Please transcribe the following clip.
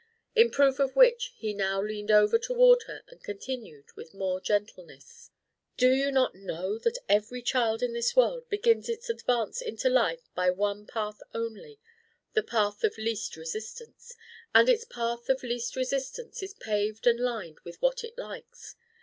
In proof of which he now leaned over toward her and continued with more gentleness: "Do you not know that every child in this world begins its advance into life by one path only the path of least resistance? and its path of least resistance is paved and lined with what it likes!